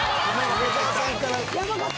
梅沢さんから。